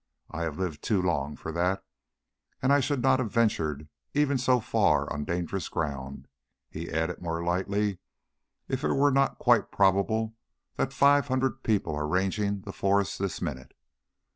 I have lived too long for that. And I should not have ventured even so far on dangerous ground," he added more lightly, "if it were not quite probable that five hundred people are ranging the forest this minute.